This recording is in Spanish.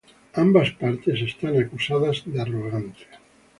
Ambas partes están acusados de arrogancia.